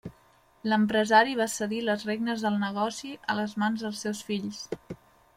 L'empresari va cedir les regnes del negoci a les mans dels seus fills.